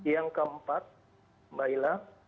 yang keempat mbak hilah